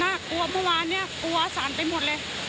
กลัวเมื่อวานเนี่ยกลัวสั่นไปหมดเลย